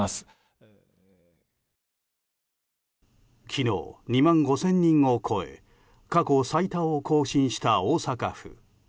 昨日２万５０００人を超え過去最多を更新した大阪府。